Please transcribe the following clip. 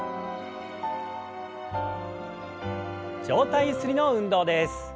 上体ゆすりの運動です。